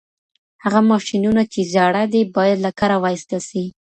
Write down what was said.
هغه ماشينونه چې زاړه دي بايد له کاره وايستل سي.